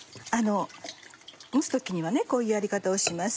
蒸す時にはねこういうやり方をします。